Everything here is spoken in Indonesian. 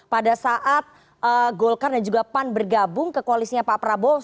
pada saat golkar dan juga pan bergabung ke koalisnya pak prabowo